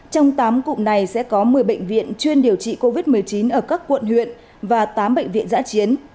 trong tám cụm này sẽ có một mươi bệnh viện chuyên điều trị covid một mươi chín ở các quận huyện và tám bệnh viện giã chiến